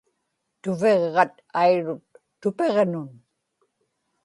tuviġġat airut tupiġnun